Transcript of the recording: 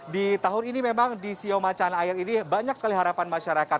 di tahun ini memang di siomacan air ini banyak sekali harapan masyarakat